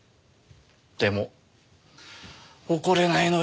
でも怒れないのよねえ。